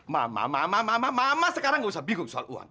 mama mama mama sekarang nggak usah bingung soal uang